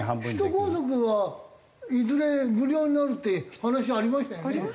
首都高速はいずれ無料になるっていう話ありましたよね。